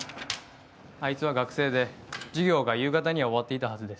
あいつは学生で授業が夕方には終わっていたはずです。